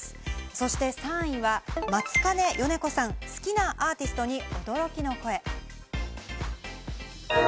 そして３位は松金よね子さん、好きなアーティストに驚きの声。